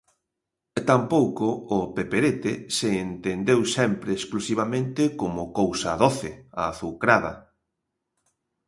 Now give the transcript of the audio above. Tampouco o peperete se entendeu sempre exclusivamente como cousa doce, azucrada.